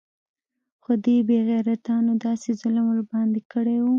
خو دې بې غيرتانو داسې ظلم ورباندې کړى و.